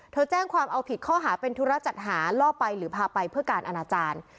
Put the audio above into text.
แจ้งความเอาผิดข้อหาเป็นธุระจัดหาล่อไปหรือพาไปเพื่อการอนาจารย์